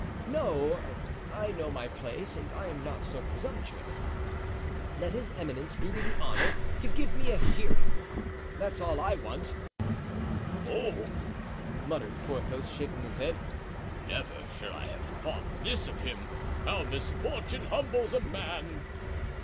"No; I know my place and am not so presumptuous. Let his eminence do me the honor to give me a hearing; that is all I want." "Oh!" muttered Porthos, shaking his head, "never should I have thought this of him! How misfortune humbles a man!"